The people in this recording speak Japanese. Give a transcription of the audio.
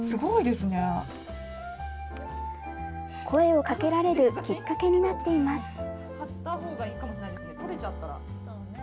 声をかけられるきっかけになっています。